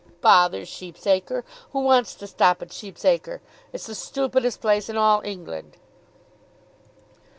"Bother Sheep's Acre. Who wants to stop at Sheep's Acre? It's the stoopidest place in all England."